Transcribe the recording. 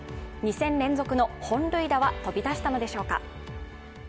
２戦連続の本塁打は飛び出したのでしょうか？